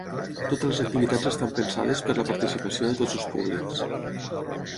Totes les activitats estan pensades per la participació de tots els públics.